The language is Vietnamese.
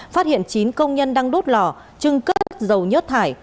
phát hiện chín công nhân đang đốt lò trưng cất dầu nhất thải